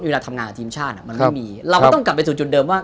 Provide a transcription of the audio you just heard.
เวลาทำงานกับทีมชาติมันไม่มีเราก็ต้องกลับไปสู่จุดเดิมว่า